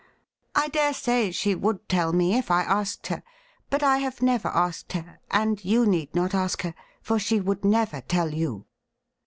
I dare say she would tell me if I asked her ; but I have never asked her, and you need not ask her, for she would never tell you.'